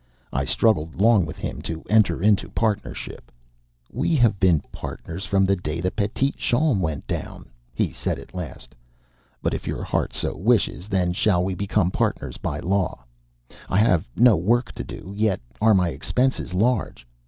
I struggled long with him to enter into partnership. "We have been partners from the day the Petite Jeanne went down," he said at last. "But if your heart so wishes, then shall we become partners by the law. I have no work to do, yet are my expenses large.